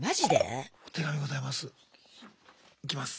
お手紙ございます。